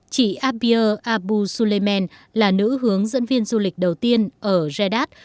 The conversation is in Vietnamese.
chị abir abu suleiman là nữ hướng dẫn viên du lịch đầu tiên ở jeddah